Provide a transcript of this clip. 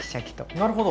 なるほど。